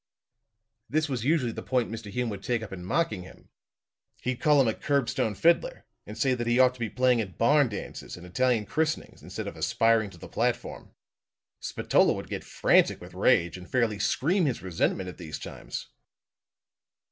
"This was usually the point Mr. Hume would take up in mocking him. He'd call him a curbstone fiddler, and say that he ought to be playing at barn dances and Italian christenings instead of aspiring to the platform. Spatola would get frantic with rage, and fairly scream his resentment at these times.